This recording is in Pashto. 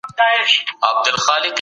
اقتصادي همکاري د بریا راز دی.